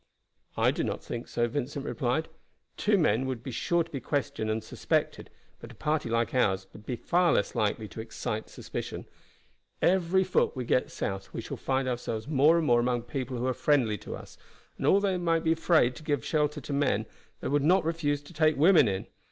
"I do not think so," Vincent replied. "Two men would be sure to be questioned and suspected, but a party like ours would be far less likely to excite suspicion. Every foot we get south we shall find ourselves more and more among people who are friendly to us, and although they might be afraid to give shelter to men, they would not refuse to take women in.